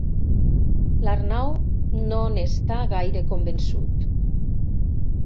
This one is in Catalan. L'Arnau no n'està gaire convençut.